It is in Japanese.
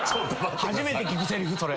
初めて聞くせりふそれ。